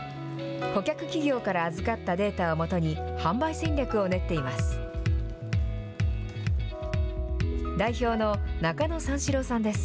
顧客企業から預かったデータを基に、販売戦略を練っています。